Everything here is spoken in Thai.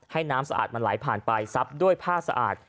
น้ำสะอาดมันไหลผ่านไปซับด้วยผ้าสะอาด